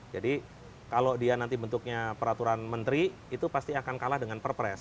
jadi kalau dia nanti bentuknya peraturan menteri itu pasti akan kalah dengan perpres